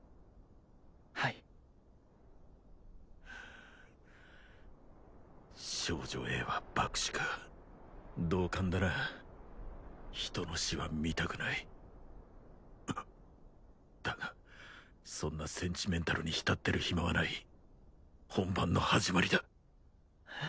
はい少女Ａは爆死か同感だな人の死は見たくないだがそんなセンチメンタルに浸ってる暇はない本番の始まりだえっ？